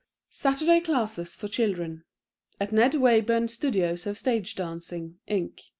SATURDAY CLASSES FOR CHILDREN At Ned Wayburn Studios of Stage Dancing, Inc.